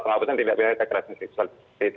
penghapusan tindak pidana kekerasan seksual